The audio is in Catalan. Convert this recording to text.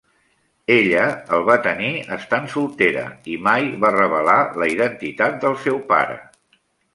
Ella el va tenir estant soltera i mai va revelar la identitat del seu pare.